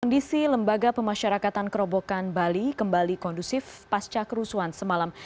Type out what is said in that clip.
kondisi lembaga pemasyarakatan kerobokan bali kembali kondusif pasca kerusuhan semalam